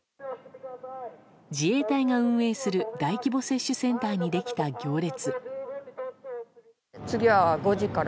自衛隊が運営する大規模接種センターにできた行列。